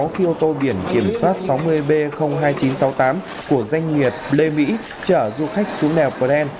khi ô tô biển kiểm soát sáu mươi b hai nghìn chín trăm sáu mươi tám của doanh nghiệp lê mỹ chở du khách xuống đèo bren